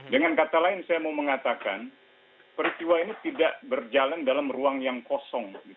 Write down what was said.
dengan kata lain saya mau mengatakan peristiwa ini tidak berjalan dalam ruang yang kosong